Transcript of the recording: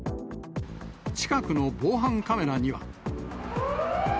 近くの防犯カメラには。